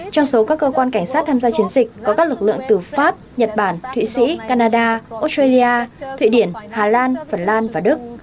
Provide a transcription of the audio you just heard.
trong số các cơ quan cảnh sát tham gia chiến dịch có các lực lượng từ pháp nhật bản thụy sĩ canada australia thụy điển hà lan phần lan và đức